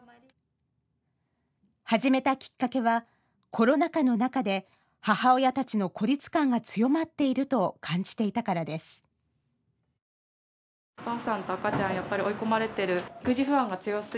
始めたきっかけはコロナ禍の中で母親たちの孤立感が強まっていると感じていたからです。